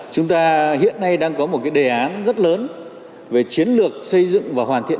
chúng ta hiện nay đang có một cái đề án rất lớn về chiến lược xây dựng và hoàn thiện